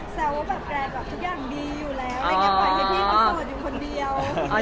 แซลว่ากรรมแกก็ทุกอย่างดีอยู่แล้วแล้วก็เกิดผู้สู้อยู่คนเดียว